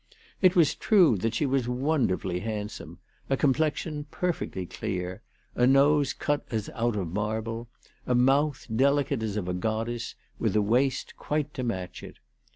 It was true that she was wonderfully hand some, a complexion perfectly clear, a nose cut as out of marble, a mouth delicate as of a goddess, with a waist quite to match it.